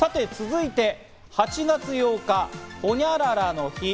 続いて、８月８日ホニャララの日。